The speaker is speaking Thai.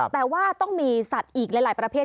แต่ว่าต้องมีสัตว์อีกหลายประเภท